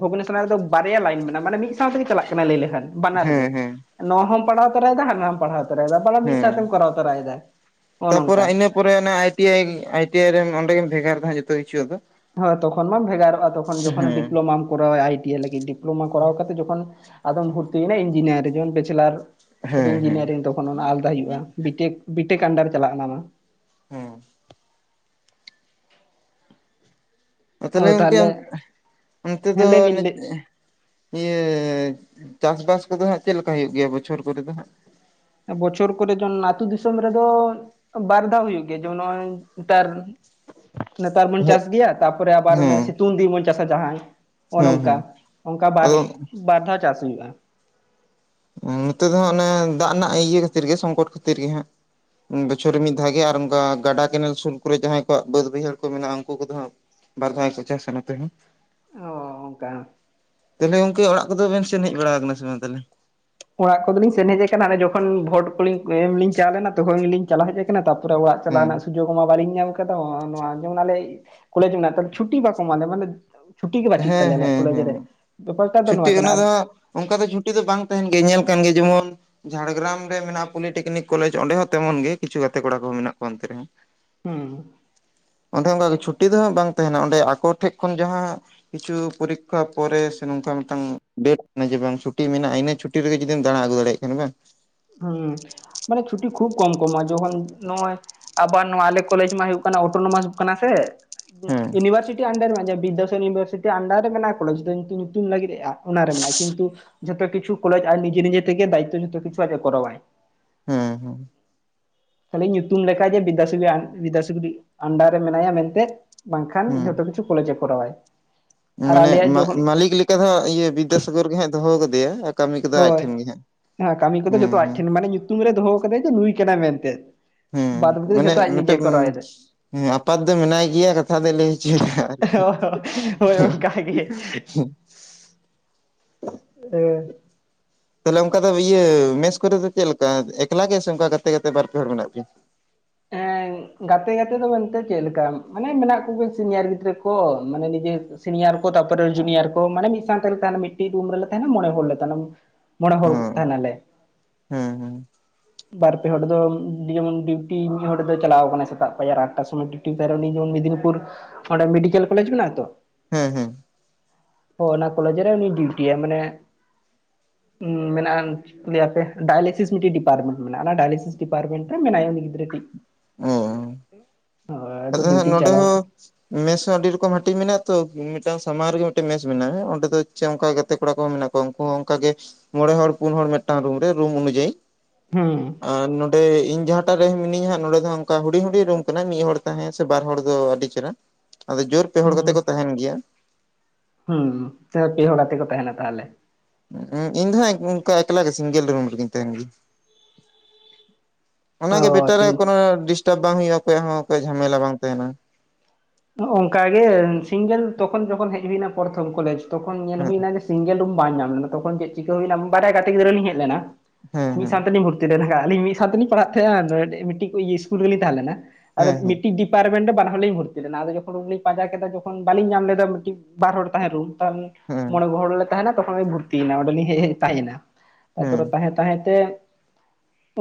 ᱵᱷᱩᱠᱮᱥᱚᱱᱟᱞ ᱫᱚ ᱵᱟᱨᱭᱟ ᱞᱟᱭᱤᱱ ᱢᱮᱱᱟᱜᱼᱟ ᱢᱟᱱᱮ ᱢᱤᱫ ᱥᱟᱶ ᱛᱮᱜᱮ ᱪᱟᱞᱟᱜ ᱠᱟᱱᱟ ᱞᱟᱹᱭ ᱞᱮᱠᱷᱟᱱ ᱵᱟᱱᱟᱨ ᱜᱮ ᱦᱮᱸ ᱦᱮᱸ ᱱᱚ ᱦᱚᱢ ᱯᱟᱲᱦᱟᱣ ᱛᱚᱨᱟᱭᱮᱫᱟ ᱦᱟᱱᱟ ᱦᱚᱸᱢ ᱯᱟᱲᱦᱟᱣ ᱛᱚᱨᱟᱭᱮᱫᱟ ᱢᱤᱫ ᱦᱮᱸ ᱥᱟᱣᱛᱮᱢ ᱠᱚᱨᱟᱣ ᱛᱚᱨᱟᱭᱮᱫᱟ ᱚᱸᱱᱚᱝᱠᱟ ᱛᱟᱨᱯᱚᱨᱮ ᱟᱱᱮ I T I I T I ᱨᱮ ᱚᱸᱰᱜᱮ ᱵᱷᱮᱜᱟᱨ ᱫᱚ ᱡᱷᱚᱛᱚ ᱠᱤᱪᱩ ᱟ ᱫᱚ ᱦᱳᱸ ᱛᱚᱠᱷᱚᱱ ᱢᱟᱢ ᱵᱷᱮᱜᱟᱨᱚᱜᱼᱟ ᱛᱚᱠᱷᱚᱱ ᱡᱚᱠᱷᱚᱱ ᱰᱤᱯᱞᱳᱢᱟᱢ ᱠᱚᱨᱟᱣᱟ ᱟᱭᱴᱤ ᱟᱭᱤ ᱞᱟᱜᱤᱫ ᱰᱤᱯᱞᱳᱢᱟ ᱠᱚᱟᱣ ᱠᱟᱛᱮ ᱡᱚᱠᱷᱱ ᱟᱫᱚᱢ ᱵᱷᱚᱨᱛᱤᱭᱮᱱᱟ ᱤᱧᱡᱤᱱᱤᱭᱟᱨ ᱡᱮᱢᱚᱱ ᱵᱮᱪᱮᱞᱟᱨ ᱦᱮᱸ ᱦᱮᱸ ᱤᱧᱡᱤᱱᱤᱭᱟᱨᱤᱝ ᱫᱚ ᱛᱚᱠᱷᱚᱱ ᱚᱱᱟ ᱟᱞᱟᱫᱟ ᱦᱩᱭᱩᱜᱼᱟ ᱵᱤᱴᱮᱠ ᱵᱤᱴᱮᱠ ᱟᱱᱰᱟᱨ ᱨᱮ ᱪᱟᱞᱟᱜᱼᱟ ᱚᱱᱟ ᱢᱟ ᱦᱮᱸ ᱛᱟᱦᱚᱞᱮ ᱜᱚᱝᱠᱮ ᱚᱱᱛᱮ ᱫᱚ ᱦᱮᱸ ᱞᱟᱹᱭ [inaudible] ᱵᱤᱱ ᱞᱟᱹᱭ ᱱᱤᱭᱟᱹ ᱪᱟᱥᱵᱟᱥ ᱠᱚᱫᱚ ᱦᱟᱸᱜ ᱪᱮᱫ ᱞᱮᱠᱟ ᱦᱩᱭᱩᱜ ᱜᱮᱭᱟ ᱵᱚᱪᱷᱚᱨ ᱠᱚᱨ ᱫᱚ ᱦᱟᱸᱜ? ᱵᱚᱪᱷᱚᱨ ᱠᱚᱨᱮ ᱡᱮᱢᱚᱱ ᱟᱹᱛᱩ ᱫᱤᱥᱚᱢ ᱨᱮᱫᱚ ᱵᱟᱨ ᱫᱷᱟᱣ ᱦᱩᱭᱩᱜ ᱜᱮᱭᱟ ᱡᱮᱢᱚᱱ ᱱᱚᱜᱼᱚᱭ ᱱᱮᱛᱟᱨ ᱱᱮᱛᱟᱨ ᱢᱟᱧ ᱪᱟᱥ ᱜᱮᱭᱟ ᱛᱟᱨᱯᱚᱨᱮ ᱟᱵᱟᱨ ᱚᱱᱮ ᱦᱮᱸ ᱥᱤᱛᱩᱝ ᱫᱤᱱ ᱵᱚᱱ ᱪᱟᱥᱟ ᱡᱟᱦᱟᱸᱭ ᱦᱮᱸ ᱚᱱᱚᱝᱠᱟ ᱦᱮᱸ ᱱᱚᱝᱠᱟ ᱵᱟᱨ ᱟᱫᱚ ᱵᱟᱨ ᱫᱷᱟᱣ ᱪᱟᱥ ᱦᱩᱭᱩᱜᱼᱟ ᱱᱚᱛᱮ ᱫᱚ ᱦᱟᱸᱜ ᱚᱱᱮ ᱫᱟᱜ ᱨᱮᱱᱟᱜ ᱤᱭᱟᱹ ᱠᱷᱟᱹᱛᱤᱨ ᱜᱮ ᱥᱚᱝᱠᱚᱴ ᱠᱷᱟᱹᱛᱤᱨ ᱜᱮ ᱦᱟᱸᱜ ᱵᱚᱪᱷᱚᱨ ᱢᱤᱫ ᱫᱷᱟᱣ ᱜᱮ ᱟᱨ ᱚᱱᱠᱟ ᱜᱟᱰᱟ ᱠᱮᱱᱮᱞ ᱥᱩᱨ ᱠᱚᱨᱮ ᱡᱟᱦᱟᱸᱭ ᱠᱚᱣᱟᱜ ᱵᱟᱹᱫ ᱵᱟᱹᱭᱦᱟᱹᱲ ᱠᱚ ᱢᱮᱱᱟᱜᱼᱟ ᱩᱱᱠᱩ ᱠᱚᱫᱚ ᱦᱟᱸᱜ ᱵᱟᱨ ᱫᱷᱟᱣᱟ ᱠᱚ ᱪᱟᱥᱟ ᱱᱚᱛᱮ ᱦᱚᱸ ᱚ ᱚᱱᱠᱟ ᱛᱟᱞᱦᱮ ᱜᱚᱝᱠᱮ ᱚᱲᱟᱜ ᱠᱚᱫᱚ ᱵᱮᱱ ᱥᱮᱱ ᱦᱮᱡ ᱵᱟᱲᱟ ᱟᱠᱟᱱᱟ ᱥᱮ ᱵᱟᱝ ᱛᱟᱞᱦᱮ ᱚᱲᱟᱜ ᱠᱚᱫᱚᱞᱤᱧ ᱥᱮᱱ ᱦᱮᱡ ᱟᱠᱟᱱᱟ ᱡᱚᱠᱷᱚᱱ ᱵᱷᱳᱴ ᱠᱚᱞᱤᱧ ᱮᱢ ᱞᱤᱧ ᱪᱟᱣ ᱞᱮᱱᱟ ᱛᱚᱠᱷᱚᱱ ᱞᱤᱧ ᱪᱟᱞᱟᱣ ᱦᱮᱡ ᱟᱠᱟᱱᱟ ᱛᱟᱨᱯᱚᱨ ᱠᱚᱨᱮ ᱚᱲᱟᱜ ᱪᱟᱞᱟᱣ ᱦᱮᱸ ᱨᱮᱱᱟᱜ ᱥᱩᱡᱳᱜ ᱢᱟ ᱵᱟᱹᱞᱤᱧ ᱧᱟᱢ ᱟᱠ ᱫᱚ ᱱᱚᱶᱟ ᱡᱮᱢᱚᱱ ᱟᱞᱮ ᱠᱚᱞᱮᱡᱽ ᱢᱮᱱᱟᱜᱼᱟ ᱛᱮ ᱪᱷᱩᱴᱤ ᱵᱟᱠᱚ ᱮᱢᱟᱞᱮ ᱢᱟᱱᱮᱼᱼ ᱪᱷᱩᱴᱤ ᱜᱮ ᱵᱟᱹᱪᱩᱜ ᱦᱮᱸ ᱛᱟᱞᱮᱭᱟ ᱟᱞᱮ ᱦᱮᱸ ᱠᱚᱞᱮᱡᱽ ᱦᱮᱸ ᱨᱮ ᱵᱮᱯᱟᱨ ᱴᱟᱜ ᱫᱚ ᱱᱚᱶᱟ ᱪᱷᱩᱴᱤ ᱠᱟᱱᱟ ᱚᱱᱟ ᱫᱚ ᱚᱱᱠᱟ ᱫᱚ ᱪᱷᱩᱴᱤ ᱫᱚ ᱵᱟᱝ ᱛᱟᱦᱮᱱ ᱜᱮᱭᱟ ᱧᱮᱞ ᱠᱟᱱ ᱜᱮᱭᱟ ᱡᱮᱢᱚᱱ ᱡᱷᱟᱲᱜᱽᱨᱟᱢ ᱨᱮ ᱢᱮᱱᱟᱜ ᱯᱚᱞᱤᱴᱮᱠᱱᱤᱠ ᱠᱚᱞᱮᱡᱽ ᱚᱸᱰᱮ ᱦᱚᱸ ᱛᱮᱢᱚᱱ ᱜᱮ ᱠᱤᱪᱷᱩ ᱜᱟᱛᱮ ᱠᱚᱲᱟ ᱠᱚ ᱢᱮᱱᱟᱜ ᱠᱚᱣᱟ ᱛᱮ ᱨᱮᱦᱚᱸ ᱦᱟᱺ ᱚᱱᱰᱮ ᱚᱱᱠᱮ ᱪᱷᱩᱴᱤ ᱫᱚ ᱦᱟᱸᱜ ᱵᱟᱝ ᱛᱟᱦᱮᱱᱟ ᱚᱸᱰᱮ ᱟᱠᱚ ᱴᱷᱮᱡ ᱠᱷᱚᱱ ᱡᱟᱦᱟᱸ ᱠᱤᱪᱷᱩ ᱯᱚᱨᱤᱠᱷᱟ ᱯᱚᱨᱮ ᱥᱮ ᱱᱚᱝᱠᱟ ᱢᱤᱫ ᱴᱟᱝ ᱰᱮᱴ ᱡᱮ ᱵᱟᱝ ᱪᱷᱩᱴᱤ ᱢᱮᱱᱟᱜᱼᱟ ᱤᱱᱟᱹ ᱪᱷᱩᱴᱤ ᱴᱤ ᱨᱮ ᱡᱩᱫᱤᱢ ᱫᱟᱲᱟ ᱟᱜᱩ ᱫᱟᱲᱮᱭᱟᱜ ᱠᱷᱟᱱ ᱵᱟᱝ ᱦᱩᱸ ᱢᱟᱱᱮ ᱪᱷᱩᱴᱤ ᱠᱷᱩᱵ ᱠᱚᱢ ᱠᱚ ᱮᱢᱚᱜᱼᱟ ᱡᱚᱠᱷᱚᱱ ᱱᱚᱜᱼᱚᱭ ᱟᱵᱟᱨ ᱱᱚᱣᱟ ᱟᱞᱮ ᱠᱚᱞᱮᱡᱽ ᱢᱟ ᱦᱩᱭᱩᱜ ᱠᱟᱱᱟ ᱚᱴᱳᱱᱚᱢᱟᱥ ᱠᱟᱱᱟ ᱥᱮ ᱦᱮᱸ ᱤᱭᱩᱱᱤᱵᱷᱟᱨᱥᱤᱴᱤ ᱟᱱᱰᱟᱨ ᱵᱤᱫᱽᱫᱟᱥᱚᱨ ᱤᱭᱩᱱᱤᱵᱷᱟᱨᱥᱤᱴᱤ ᱟᱱᱰᱟᱨ ᱨᱮ ᱢᱮᱱᱟᱜᱼᱟ ᱠᱚᱞᱮᱡᱽ ᱫᱚ ᱧᱩᱛᱩᱢ ᱧᱩᱛᱩᱢ ᱞᱟᱹᱜᱤᱫᱮᱜᱼᱟ ᱚᱱᱟᱨᱮ ᱢᱮᱱᱟᱜᱼᱟ ᱠᱤᱱᱛᱩ ᱡᱷᱚᱛᱚ ᱠᱤᱪᱩ ᱠᱚᱞᱡᱽ ᱟᱨ ᱱᱤᱡᱮ ᱱᱤᱡᱮ ᱛᱮᱜᱮ ᱫᱟᱭᱤᱛᱚ ᱡᱚᱛᱚ ᱠᱤᱪᱩ ᱟᱡ-ᱮ ᱠᱚᱨᱟᱣᱟᱭ ᱦᱩᱸ ᱦᱩᱸ ᱛᱟᱞᱦᱮ ᱧᱩᱛᱩᱢ ᱞᱮᱠᱷᱟ ᱡᱮ ᱵᱤᱫᱫᱟ ᱵᱤᱫᱽᱫᱚ ᱥᱟᱜᱚᱨᱤ ᱵᱤᱫᱽᱫᱟ ᱥᱟᱜᱚᱨᱤᱡ ᱟᱱᱱᱰᱟᱨ ᱨᱮ ᱢᱮᱱᱟᱭᱟ ᱢᱮᱱᱛᱮ ᱵᱟᱝᱠᱷᱟᱱ ᱦᱮᱸ ᱡᱷᱚᱛᱚ ᱠᱤᱪᱩ ᱠᱚᱞᱮᱡᱽ-ᱮ ᱠᱚᱨᱟᱣᱟᱭ ᱟᱨ ᱢᱟᱱᱮ ᱟᱞᱮᱭᱟᱜ ᱡᱚᱠᱷᱚᱱ ᱢᱟᱞᱤᱠ ᱞᱮᱠᱟ ᱫᱚ ᱦᱟᱸᱜ ᱤᱭᱟᱹ ᱵᱤᱫᱽᱫᱟᱥᱟᱜᱚᱨ ᱜᱮ ᱦᱟᱸᱜ ᱫᱚᱦᱚ ᱠᱟᱫᱮᱭᱟ ᱠᱟᱹᱢᱤ ᱠᱚᱫᱚ ᱟᱡ ᱦᱳᱭ ᱴᱷᱮᱱ ᱜᱮ ᱦᱟᱸᱜ ᱠᱟᱹᱢᱤ ᱠᱚᱫᱚ ᱦᱮᱸ ᱡᱚᱛᱚ ᱟᱡ ᱦᱮᱸ ᱴᱷᱮᱱ ᱢᱟᱱᱮ ᱧᱩᱛᱩᱢ ᱨᱮ ᱫᱚᱦᱚ ᱠᱟᱫᱟᱭ ᱡᱮ ᱱᱩᱭ ᱠᱟᱱᱟᱭ ᱢᱮᱱᱛᱮ ᱦᱩᱸ ᱵᱟᱫᱽ ᱵᱟᱹᱠᱤ ᱫᱚ ᱢᱟᱱᱮ ᱡᱷᱚᱛᱚ ᱟᱡ ᱢᱤᱫᱴᱮᱱ ᱱᱤᱡᱮ ᱠᱚᱨᱟᱣ ᱮᱫᱟᱭ ᱦᱮᱸ ᱟᱯᱟᱛ ᱫᱚ ᱢᱮᱱᱟᱭ ᱜᱮᱭᱟ ᱠᱟᱛᱷᱟ ᱫᱚᱭ ᱞᱟᱹᱭ ᱦᱚᱪᱚᱭᱮᱫᱟ ᱟᱨᱠᱤ ᱦᱮᱦᱮᱜ [inaudible] ᱦᱮᱸ ᱛᱟᱦᱞᱮ ᱚᱱᱠᱟ ᱫᱚ ᱤᱭᱟᱹ ᱢᱮᱥ ᱠᱚᱨᱮ ᱫᱚ ᱪᱮᱫ ᱞᱮᱠᱟ ᱮᱠᱞᱟ ᱜᱮ ᱥᱮ ᱚᱱᱠᱟ ᱜᱟᱛᱮ ᱜᱟᱛᱮ ᱵᱟᱨ ᱯᱮ ᱦᱚᱲ ᱢᱮᱱᱟᱜ ᱜᱮᱭᱟ? ᱮᱝ ᱜᱟᱛᱮ ᱜᱟᱛᱮ ᱫᱚ ᱢᱮᱱᱛᱮ ᱪᱮᱫ ᱞᱮᱠᱟ ᱢᱟᱱᱮ ᱢᱮᱱᱟᱜ ᱠᱚᱜᱮ ᱥᱤᱱᱤᱭᱟᱨ ᱜᱤᱫᱽᱨᱟᱹ ᱠᱚ ᱢᱟᱱᱮ ᱱᱤᱡᱮ ᱥᱤᱱᱤᱭᱟᱨ ᱠᱚ ᱛᱟᱨᱯᱚᱨᱮ ᱡᱩᱱᱤᱭᱟᱨ ᱠᱚ ᱢᱟᱱᱮ ᱢᱤᱫ ᱥᱟᱶᱛᱮ ᱞᱮ ᱛᱟᱦᱮᱱᱟ ᱢᱤᱫ ᱴᱤᱡ ᱨᱩᱢ ᱨᱮᱞᱮ ᱛᱟᱦᱮᱱᱟ ᱢᱚᱬᱮ ᱦᱚᱲ ᱞᱮ ᱛᱟᱦᱮᱱᱟ ᱢᱚᱬᱮ ᱦᱚᱲ ᱦᱮᱸ ᱛᱟᱦᱮᱱᱟᱞᱮ ᱦᱮᱸ ᱵᱟᱨᱯᱮ ᱦᱚᱲ ᱫᱚ ᱡᱮᱢᱚᱱ ᱢᱤᱫ ᱦᱚᱲ ᱫᱚ ᱪᱟᱞᱟᱣ ᱟᱠᱟᱱᱟᱭ ᱥᱮᱛᱟᱜ ᱯᱟᱭᱟᱨ ᱟᱴ ᱴᱟᱜ ᱥᱚᱢᱚᱭ ᱴᱤᱴᱤ ᱩᱱᱤ ᱫᱚ ᱢᱮᱫᱽᱱᱤᱯᱩᱨ ᱚᱸᱰᱮ ᱢᱮᱰᱤᱠᱮᱞ ᱠᱚᱞᱮᱡᱽ ᱢᱮᱱᱟᱜᱼᱟ ᱛᱚ ᱦᱮᱸ ᱦᱮᱸ ᱚᱱᱟ ᱠᱚᱞᱮᱡᱽ ᱨᱮ ᱩᱱᱤ ᱰᱤᱭᱩᱴᱤᱭᱟ ᱢᱟᱱᱮ ᱢᱮᱱᱟᱜᱼᱟ ᱪᱮᱫ ᱠᱚ ᱞᱟᱭᱟᱹ ᱟᱯᱮ ᱰᱟᱭᱮᱞᱤᱥᱤᱥ ᱢᱤᱫ ᱴᱤᱡ ᱰᱤᱯᱟᱨᱴᱢᱮᱱᱴ ᱢᱮᱱᱟᱜᱼᱟ ᱰᱟᱭᱮᱞᱤᱥᱤᱥ ᱰᱤᱯᱟᱨᱢᱮᱱᱴ ᱨᱮ ᱢᱮᱱᱟᱭᱟ ᱩᱱᱤ ᱜᱤᱫᱽ ᱨᱮᱴᱤᱡ ᱟ ᱱᱚᱸᱰᱮ ᱦᱚᱸ ᱢᱮᱥ ᱦᱚᱸ ᱟᱹᱰᱤ ᱨᱚᱠᱚᱢ ᱦᱟᱹᱴᱤᱧ ᱢᱮᱱᱟᱜᱼᱟ ᱛᱚ ᱢᱤᱫ ᱴᱟᱝ ᱥᱟᱢᱟᱝ ᱨᱮᱜᱮ ᱢᱤᱫ ᱴᱮᱱ ᱢᱮᱥ ᱢᱮᱱᱟᱜᱼᱟ ᱚᱸᱰᱮ ᱫᱚ ᱥᱮ ᱚᱱᱠᱟ ᱜᱟᱛᱮ ᱠᱚᱲᱟ ᱠᱚᱦᱚᱸ ᱢᱮᱱᱟᱜ ᱠᱚᱣᱟ ᱩᱱᱠᱩ ᱦᱚᱸ ᱚᱱᱠᱟᱜᱮ ᱢᱚᱬᱮ ᱦᱚᱲ ᱯᱩᱱ ᱦᱚᱲ ᱢᱤᱫ ᱴᱟᱱ ᱨᱩᱢ ᱨᱮ ᱨᱩᱢ ᱩᱱᱡᱟᱭᱤ ᱦᱮᱸ ᱟᱨ ᱱᱚᱸᱰᱮ ᱤᱧ ᱡᱟᱦᱟᱸᱴᱟᱜ ᱨᱮ ᱢᱤᱱᱟᱹᱧ ᱦᱟᱜ ᱱᱚᱸᱰᱮ ᱫᱚ ᱚᱱᱠᱟ ᱦᱩᱰᱤ ᱦᱩᱰᱤ ᱨᱩᱢ ᱠᱟᱱᱟ ᱢᱤᱫ ᱦᱚᱲ ᱛᱟᱦᱮᱸ ᱥᱮ ᱵᱟᱨ ᱦᱚᱲ ᱫᱚ ᱟᱹᱰᱤ ᱪᱮᱦᱨᱟ ᱟᱫᱚ ᱡᱳᱨ ᱯᱮᱦᱚᱲ ᱠᱟᱛᱮ ᱦᱩᱸ ᱠᱚ ᱛᱟᱦᱮᱱ ᱜᱮᱭᱟ ᱦᱩᱸ ᱯᱮᱦᱚᱲ ᱛᱮᱠᱚ ᱛᱟᱦᱮᱱᱟ ᱛᱟᱦᱚᱞᱮ ᱤᱧ ᱫᱚ ᱦᱟᱸᱜ ᱠᱟ ᱮᱠᱞᱟᱜᱮ ᱥᱤᱝᱜᱮᱞ ᱨᱩᱢ ᱨᱮᱜᱤᱧ ᱛᱟᱦᱮᱱ ᱜᱮᱭᱟ ᱚᱱᱟᱜᱮ ᱚ ᱵᱮᱴᱟᱨ ᱥᱤᱝ ᱟᱭ ᱠᱳᱱᱚ ᱰᱤᱥᱴᱟᱵᱽ ᱵᱟᱝ ᱦᱩᱭᱩᱜᱼᱟ ᱚᱠᱚᱭᱟᱜ ᱦᱚᱸ ᱡᱷᱟᱢᱮᱞᱟ ᱵᱟᱝ ᱛᱟᱦᱮᱱᱟ ᱚᱱᱠᱟᱜᱮ ᱥᱤᱝᱜᱮᱞ ᱛᱚᱠᱷᱚᱱ ᱡᱚᱠᱷᱚᱱ ᱦᱮᱡ ᱦᱩᱭᱱᱟ ᱯᱚᱨᱛᱷᱚᱢ ᱠᱚᱞᱮᱡᱽ ᱛᱚᱠᱷᱚᱱ ᱧᱮᱞ ᱦᱮᱸ ᱦᱩᱭᱱᱟ ᱡᱮ ᱥᱤᱝᱜᱮᱞ ᱨᱩᱢ ᱵᱟᱝ ᱧᱟᱢ ᱞᱮᱱᱟ ᱛᱚᱠᱷᱚᱱ ᱪᱮᱫ ᱪᱤᱠᱟᱹ ᱦᱩᱭᱱᱟ ᱵᱟᱱᱟᱨ ᱜᱟᱛᱮ ᱜᱤᱫᱽᱨᱟᱹ ᱞᱤᱧ ᱦᱮᱡ ᱞᱮᱱᱟ ᱦᱮᱸ ᱢᱤᱫ ᱦᱮᱸ ᱥᱟᱶᱛᱮ ᱞᱤᱧ ᱵᱷᱩᱨᱛᱤ ᱢᱤᱫ ᱥᱟᱶ ᱛᱮᱞᱤᱧ ᱯᱟᱲᱦᱟᱜ ᱛᱟᱦᱮᱜᱱᱟ ᱢᱤᱫ ᱴᱤᱡ ᱤᱥᱠᱩᱞ ᱨᱮᱞᱤᱧ ᱛᱟᱦᱮᱸ ᱞᱮᱱᱟ ᱟ ᱦᱮᱸ ᱦᱮᱸ ᱢᱤᱫ ᱴᱤᱡ ᱰᱤᱯᱟᱨᱴᱢᱮᱱᱴ ᱨᱮ ᱵᱟᱨ ᱦᱚᱲᱞᱤᱧ ᱵᱷᱚᱨᱛᱤ ᱞᱮᱱᱟ ᱟᱫᱚ ᱠᱷᱚᱱ ᱨᱩᱢ ᱞᱤᱧ ᱯᱟᱸᱡᱟ ᱠᱮᱫᱟ ᱡᱚᱠᱷᱚᱱ ᱵᱟᱞᱤᱧ ᱧᱟᱢ ᱞᱮᱫᱟ ᱢᱤᱫ ᱴᱤᱡ ᱵᱟᱨ ᱦᱚᱲ ᱛᱟᱦᱮᱸ ᱨᱩᱢ ᱢᱚᱬᱮ ᱦᱚᱲ ᱞᱮ ᱛᱟᱦᱮᱱᱟ ᱛᱚᱠᱷᱚᱱ ᱵᱷᱩᱨᱛᱤ ᱭᱮᱱᱟ ᱚᱸᱰᱮᱞᱤᱧ ᱦᱮᱡ ᱛᱟᱦᱮᱸᱱᱟ ᱦᱮᱸ ᱛᱟᱯᱚᱨᱮ ᱛᱟᱦᱮᱸ ᱛᱟᱦᱮᱸ ᱛᱮ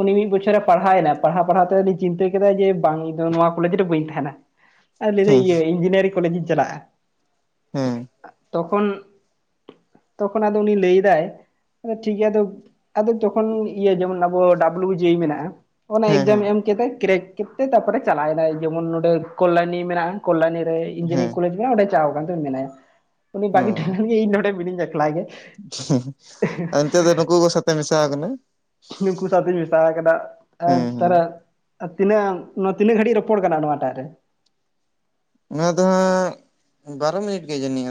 ᱩᱱᱤ ᱢᱤᱫ ᱵᱚᱪᱷᱚᱨᱮ ᱯᱟᱲᱦᱟᱣᱮᱱᱟ ᱯᱟᱲᱦᱟᱣ ᱯᱟᱲᱦᱟᱣ ᱛᱮᱧ ᱪᱤᱱᱛᱟᱹ ᱠᱮᱫᱟ ᱡᱮ ᱵᱟᱝ ᱤᱧ ᱫᱚ ᱱᱚᱣᱟ ᱠᱚᱞᱮᱡᱽ ᱨᱮ ᱵᱟᱹᱧ ᱛᱟᱦᱮᱱᱟ ᱟᱨ ᱞᱟᱹᱭᱫᱟ ᱦᱮᱸ ᱤᱭᱟᱹ ᱤᱧᱡᱤᱱᱤᱭᱟᱨᱤᱝ ᱠᱚᱞᱮᱡᱽ ᱤᱧ ᱪᱟᱞᱟᱜᱼᱟ ᱦᱩᱸ ᱛᱚᱠᱷᱚᱱ ᱛᱚᱠᱷᱚᱱ ᱟᱫᱚ ᱩᱱᱤ ᱞᱟᱹᱭᱮᱫᱟᱭ ᱟᱫᱚ ᱴᱷᱤᱠ ᱜᱮᱭᱟ ᱟᱫᱚ ᱟᱫᱚ ᱛᱚᱠᱷᱚᱱ ᱤᱭᱟᱹ ᱡᱮᱢᱚᱱ ᱟᱵᱚ ᱰᱟᱵᱽᱞᱩ ᱡᱮ ᱤ ᱢᱮᱱᱟᱜᱼᱟ ᱚᱱᱟ ᱦᱮᱸ ᱦᱮᱸ ᱮᱠᱡᱟᱢ ᱦᱮᱸ ᱮᱢ ᱠᱟᱛᱮᱫ ᱠᱨᱮᱠ ᱠᱮᱫ ᱛᱮ ᱛᱟᱨᱯᱚᱨᱮ ᱪᱟᱞᱟᱣᱱᱟ ᱡᱮᱢᱚᱱ ᱱᱚᱸᱰᱮ ᱠᱚᱞᱞᱟᱱᱤ ᱢᱮᱱᱟᱜᱼᱟ ᱠᱚᱞᱞᱟᱱᱤ ᱦᱮᱸ ᱤᱧᱡᱤᱱᱤᱭᱟᱨᱤᱝ ᱠᱚᱞᱮᱡᱽ ᱢᱮ ᱚᱸᱰᱮ ᱪᱟᱣ ᱟᱠᱟᱱ ᱛᱚ ᱢᱮᱱᱟᱭᱟ ᱩᱱᱤ ᱵᱟᱹᱜᱤ ᱴᱷᱮᱱ ᱜᱮ ᱤᱧ ᱱᱚᱰᱮ ᱢᱤᱱᱤᱧ-ᱟ ᱮᱠᱞᱟ ᱜᱮ ᱟᱱᱛᱮ ᱫᱚ ᱱᱩᱠᱩ ᱠᱚ ᱥᱚᱛᱮ ᱢᱮᱥᱟᱣᱟᱠᱟᱱᱟᱭ ᱱᱩᱠᱩ ᱥᱟᱶᱛᱤᱧ ᱢᱮᱥᱟ ᱠᱟᱫᱟ ᱮᱸᱜ ᱦᱮᱸ ᱦᱮᱸ ᱯᱟᱨᱟ ᱛᱤᱱᱟᱹᱝ ᱱᱚᱣᱟ ᱛᱤᱱᱟᱹᱜ ᱜᱷᱟᱹᱲᱤᱡ ᱨᱚᱯᱚᱲ ᱠᱟᱱᱟ ᱱᱚᱣᱟ ᱴᱟᱜ ᱨᱮ ᱱᱚᱶᱟ ᱫᱚ ᱦᱟᱸᱜ ᱵᱟᱨᱳ ᱢᱤᱱᱤᱴ ᱜᱮ ᱡᱟᱱᱤᱡ